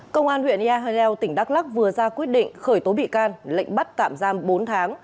công an huyện ia hà leo tỉnh đắk lắc vừa ra quyết định khởi tố bị can lệnh bắt tạm giam bốn tháng